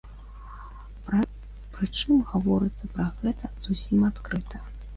Прычым гаворыцца пра гэта зусім адкрыта.